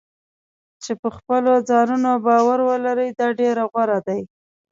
چې په خپلو ځانونو باور ولري دا ډېر غوره دی.